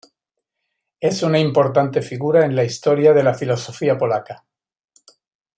Es una importante figura en la historia de la filosofía polaca.